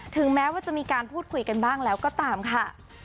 ถึงแม้ว่าจะมีการพูดคุยกันบ้างแล้วก็ตามค่ะ